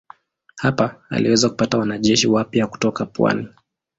Hapa aliweza kupata wanajeshi wapya kutoka pwani.